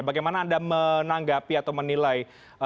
bagaimana anda menanggapi atau menilai